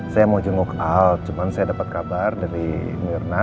saya mau jenguk out cuman saya dapat kabar dari mirna